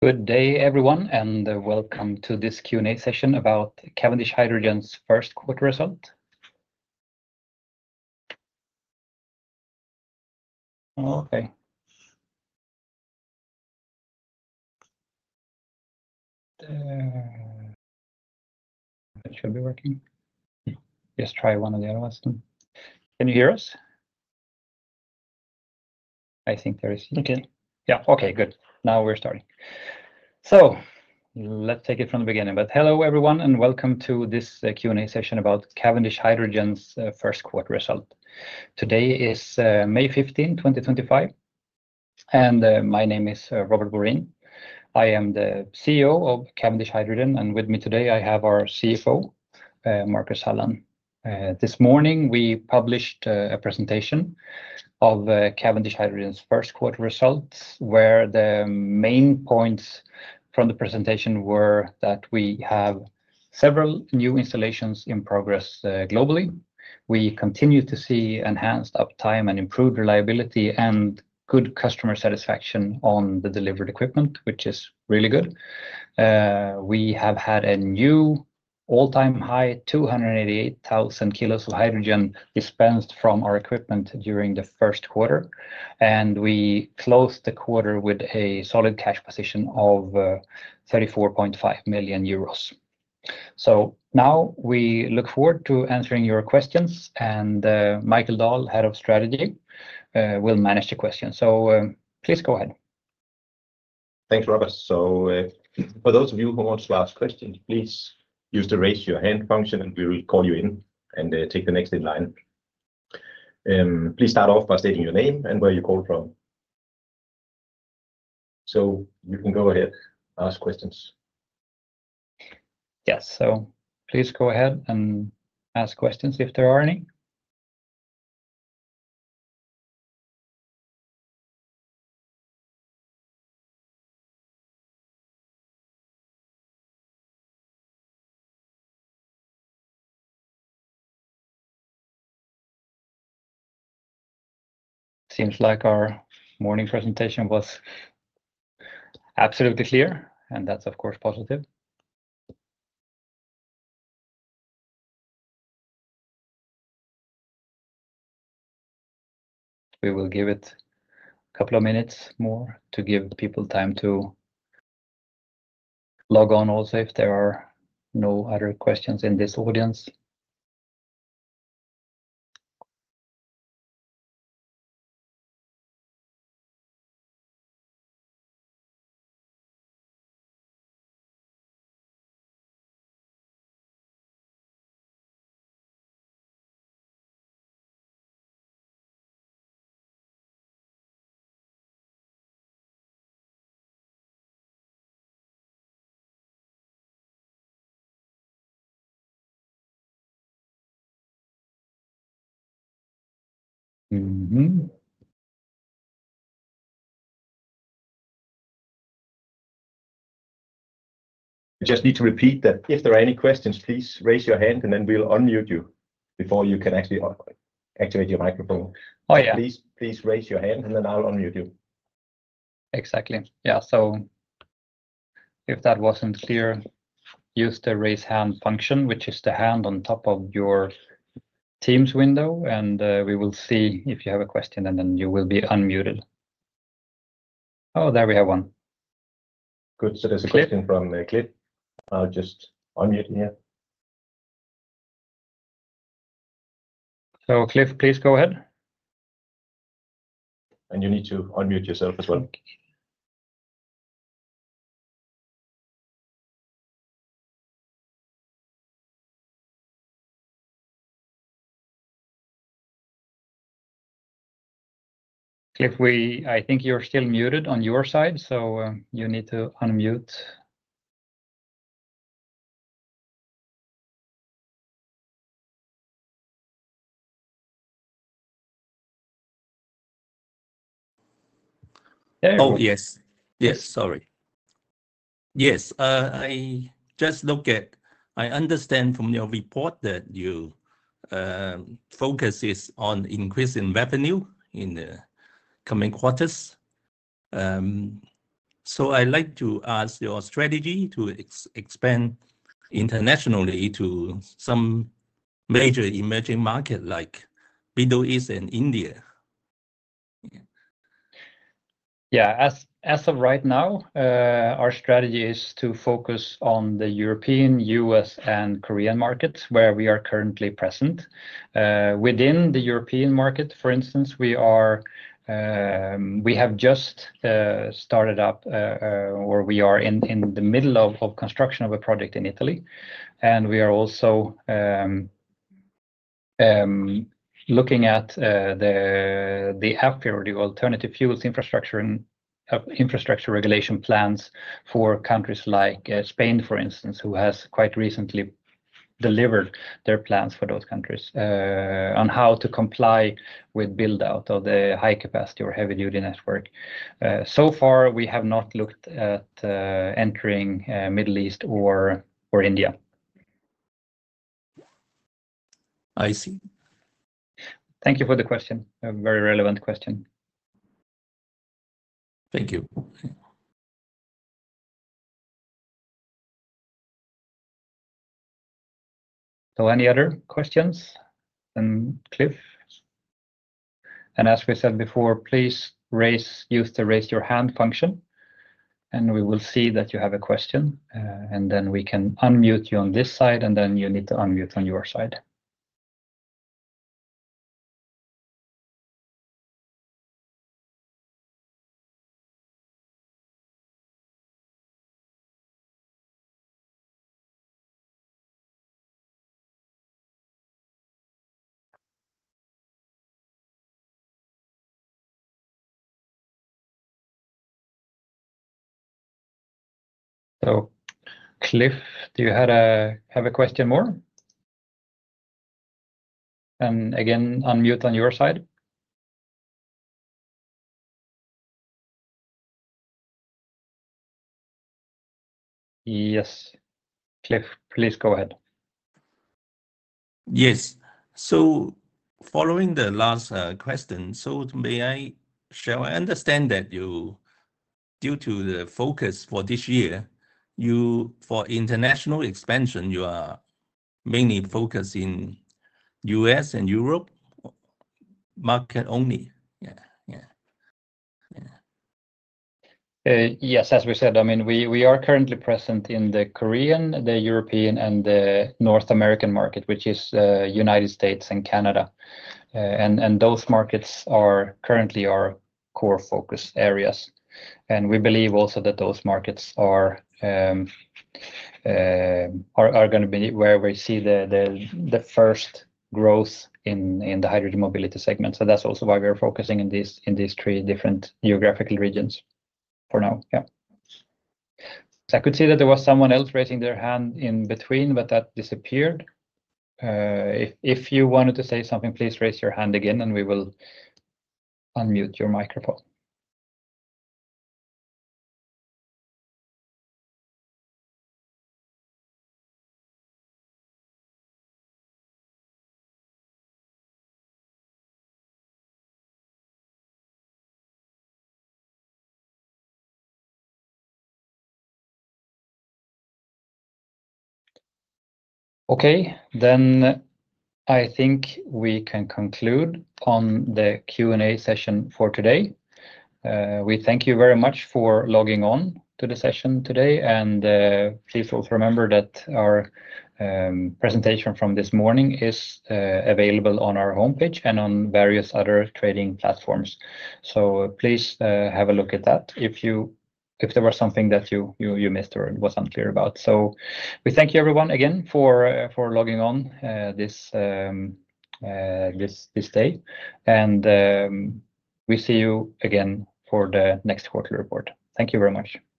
Good day, everyone, and welcome to this Q&A session about Cavendish Hydrogen's first quarter result. Okay. It should be working. Just try one of the other ones. Can you hear us? I think there is... Okay. Yeah, okay, good. Now we're starting. Let's take it from the beginning. Hello, everyone, and welcome to this Q&A session about Cavendish Hydrogen's first quarter result. Today is May 15, 2025, and my name is Robert Borin. I am the CEO of Cavendish Hydrogen, and with me today, I have our CFO, Marcus Halland. This morning, we published a presentation of Cavendish Hydrogen's first quarter results, where the main points from the presentation were that we have several new installations in progress globally. We continue to see enhanced uptime and improved reliability and good customer satisfaction on the delivered equipment, which is really good. We have had a new all-time high, 288,000 kilos of hydrogen dispensed from our equipment during the first quarter, and we closed the quarter with a solid cash position of 34.5 million euros. Now we look forward to answering your questions, and Michael Dahl, Head of Strategy, will manage the questions. Please go ahead. Thanks, Robert. For those of you who want to ask questions, please use the raise your hand function, and we will call you in and take the next in line. Please start off by stating your name and where you're calling from. You can go ahead, ask questions. Yes, so please go ahead and ask questions if there are any. Seems like our morning presentation was absolutely clear, and that's, of course, positive. We will give it a couple of minutes more to give people time to log on, also if there are no other questions in this audience. I just need to repeat that if there are any questions, please raise your hand, and then we'll unmute you before you can actually activate your microphone. Oh, yeah. Please raise your hand, and then I'll unmute you. Exactly. Yeah, so if that was not clear, use the raise hand function, which is the hand on top of your Teams window, and we will see if you have a question, and then you will be unmuted. Oh, there we have one. Good. There's a question from Cliff. I'll just unmute here. Cliff, please go ahead. You need to unmute yourself as well. Cliff, I think you're still muted on your side, so you need to unmute. Oh, yes. Yes, sorry. Yes, I just look at, I understand from your report that your focus is on increasing revenue in the coming quarters. So I'd like to ask your strategy to expand internationally to some major emerging markets like the Middle East and India. Yeah, as of right now, our strategy is to focus on the European, U.S., and Korean markets where we are currently present. Within the European market, for instance, we have just started up, or we are in the middle of construction of a project in Italy, and we are also looking at the AFIR, the Alternative Fuels Infrastructure Regulation plans for countries like Spain, for instance, who has quite recently delivered their plans for those countries on how to comply with build-out of the high-capacity or heavy-duty network. So far, we have not looked at entering the Middle East or India. I see. Thank you for the question. A very relevant question. Thank you. Any other questions? Cliff? As we said before, please use the raise your hand function, and we will see that you have a question, and then we can unmute you on this side, and then you need to unmute on your side. Cliff, do you have a question more? Again, unmute on your side. Yes, Cliff, please go ahead. Yes. Following the last question, may I share? I understand that due to the focus for this year, for international expansion, you are mainly focusing on the U.S. and Europe market only. Yeah, yeah. Yes, as we said, I mean, we are currently present in the Korean, the European, and the North American market, which is the United States and Canada. Those markets are currently our core focus areas. We believe also that those markets are going to be where we see the first growth in the hydrogen mobility segment. That is also why we're focusing in these three different geographical regions for now. Yeah. I could see that there was someone else raising their hand in between, but that disappeared. If you wanted to say something, please raise your hand again, and we will unmute your microphone. Okay, I think we can conclude on the Q&A session for today. We thank you very much for logging on to the session today. Please also remember that our presentation from this morning is available on our homepage and on various other trading platforms. Please have a look at that if there was something that you missed or was unclear about. We thank you, everyone, again for logging on this day. We see you again for the next quarter report. Thank you very much.